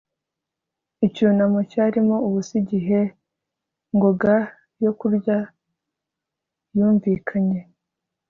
icyumba cyarimo ubusa igihe gong yo kurya yumvikanye